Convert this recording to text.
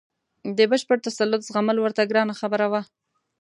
د بشپړ تسلط زغمل ورته ګرانه خبره وه.